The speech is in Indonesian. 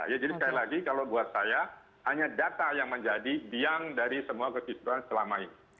jadi sekali lagi kalau buat saya hanya data yang menjadi biang dari semua kesimpulan selama ini